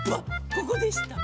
ここでした。